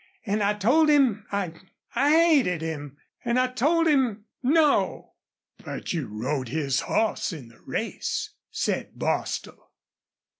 And I told him I I hated him and I told him, 'No!'" "But you rode his hoss in the race," said Bostil.